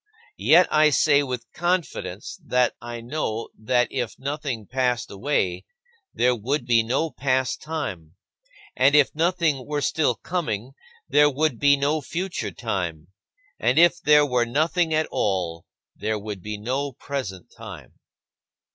Yet I say with confidence that I know that if nothing passed away, there would be no past time; and if nothing were still coming, there would be no future time; and if there were nothing at all, there would be no present time.